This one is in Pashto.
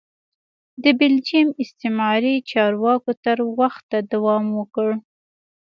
د بلجیم استعماري چارواکو تر وخته دوام وکړ.